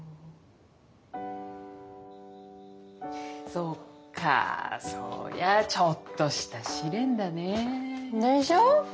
そっかそりゃちょっとした試練だねえ。でしょ？